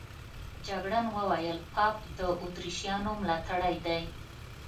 جګړن وویل پاپ د اتریشیانو ملاتړی دی.